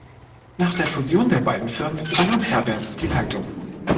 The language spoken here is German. Nach der Fusion der beiden Firmen übernahm Herberts die Leitung.